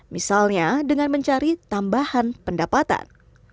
misalnya dengan mencari tambahan pendapatan